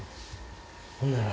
ほんなら。